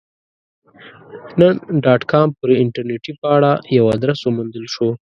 نن ډاټ کام پر انټرنیټي پاڼه یو ادرس وموندل شو.